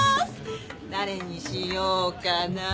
誰にしようかな。